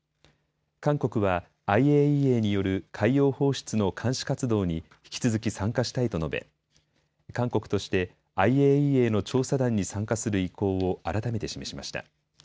韓国はＩＡＥＡによる海洋放出の監視活動に引き続き参加したいと述べ、韓国としてＩＡＥＡの調査団に参加する意向を改めて示しました。